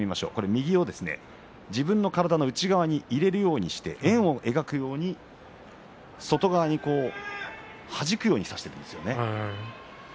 右の自分の肩の内側に入れるようにして、円を描くように外側に、はじくようにしました。